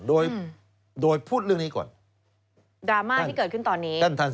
สวัสดีครับคุณผู้ชมค่ะต้อนรับเข้าที่วิทยาลัยศาสตร์